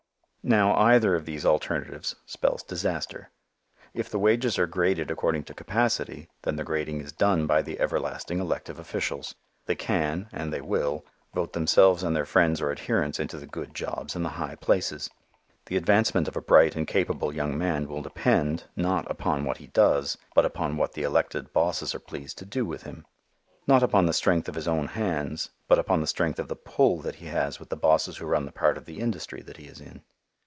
Now either of these alternatives spells disaster. If the wages are graded according to capacity, then the grading is done by the everlasting elective officials. They can, and they will, vote themselves and their friends or adherents into the good jobs and the high places. The advancement of a bright and capable young man will depend, not upon what he does, but upon what the elected bosses are pleased to do with him; not upon the strength of his own hands, but upon the strength of the "pull" that he has with the bosses who run the part of the industry that he is in.